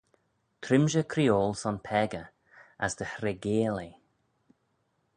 Trimshey creeoil son peccah, as dy hreigeil eh.